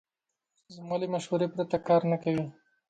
زما له مشورې پرته کار نه کوي.